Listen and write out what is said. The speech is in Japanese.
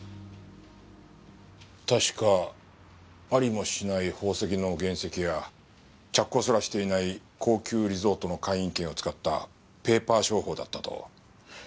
確かありもしない宝石の原石や着工すらしていない高級リゾートの会員権を使ったペーパー商法だったと。